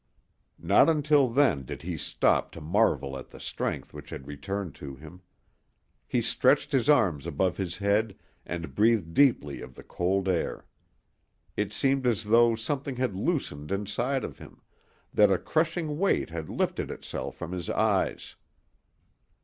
Not until then did he stop to marvel at the strength which had returned to him. He stretched his arms above his head and breathed deeply of the cold air. It seemed as though something had loosened inside of him, that a crushing weight had lifted itself from his eyes.